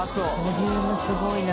ボリュームすごいな。